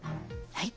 はい。